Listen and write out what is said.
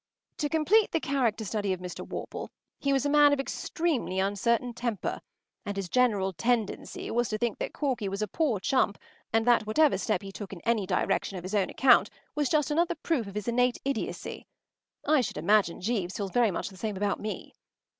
To complete the character study of Mr. Worple, he was a man of extremely uncertain temper, and his general tendency was to think that Corky was a poor chump and that whatever step he took in any direction on his own account, was just another proof of his innate idiocy. I should imagine Jeeves feels very much the same about me.